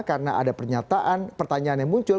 karena ada pernyataan pertanyaan yang muncul